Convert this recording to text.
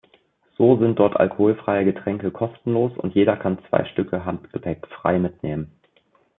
So sind dort alkoholfreie Getränke kostenlos und jeder kann zwei Stücke Handgepäck frei mitnehmen.